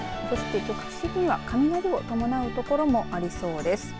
局地的には雷を伴う所もありそうです。